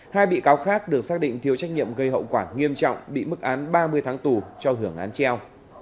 hai bị cáo khác được xác định thiếu trách nhiệm gây hậu quả nghiêm trọng bị mức án ba mươi tháng tù cho hưởng án treo